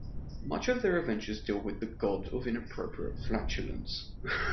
Much of their adventures deal with the God of Inappropriate Flatulence.